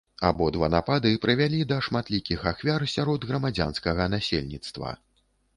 Абодва напады прывялі да шматлікіх ахвяр сярод грамадзянскага насельніцтва.